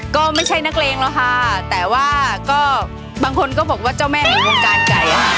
ก็ไม่ใช่นักเลงหรอกค่ะแต่ว่าก็บางคนก็บอกว่าเจ้าแม่แห่งวงการไก่ค่ะ